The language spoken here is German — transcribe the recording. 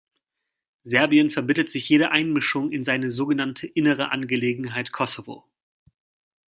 Serbien verbittet sich jede Einmischung in seine sogenannte innere Angelegenheit Kosovo.